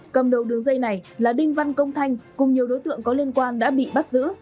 cầm đầu đường dây này là đinh văn công thanh cùng nhiều đối tượng có liên quan đã bị bắt giữ